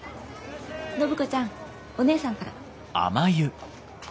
暢子ちゃんお姉さんから。